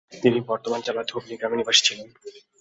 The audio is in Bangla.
তিনি বর্ধমান জেলার ধবনী গ্রাম নিবাসী ছিলেন।